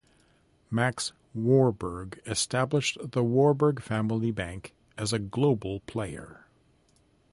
Max Warburg established the Warburg family bank as a "global player".